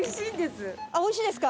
おいしいですか？